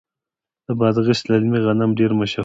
د بادغیس للمي غنم ډیر مشهور دي.